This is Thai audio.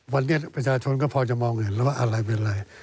วันนี้ประชาชนก็พอจะมองเห็นแล้วว่าอะไรเป็นอะไร